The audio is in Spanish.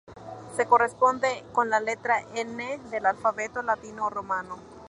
Se corresponde con la letra N del alfabeto latino o romano.